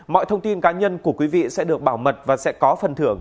mọi thông tin cá nhân của quý vị sẽ được bảo mật và sẽ có phần thưởng